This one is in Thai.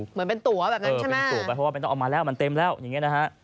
เหมือนเป็นตัวแบบนั้นใช่ไหมเป็นตัวไปเพราะว่าไม่ต้องเอามาแล้วมันเต็มแล้วอย่างนี้นะฮะ